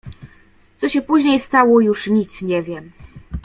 "Co się później stało, już nic nie wiem."